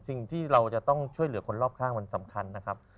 สิ่งที่เราจะต้องช่วยเหลือคนรอบข้างมันสำคัญนะครับ